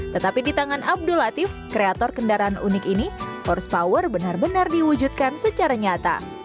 tetapi di tangan abdul latif kreator kendaraan unik ini horse power benar benar diwujudkan secara nyata